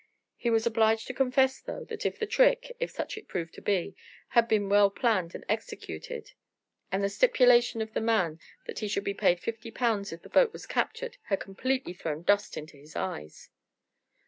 He was obliged to confess, though, that the trick, if such it proved to be, had been well planned and executed, and the stipulation of the man that he should be paid fifty pounds if the boat was captured had completely thrown dust into his eyes.